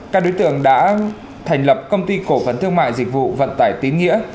các đối tượng đã thành lập công ty cổ phần thương mại dịch vụ vận tải tín nghĩa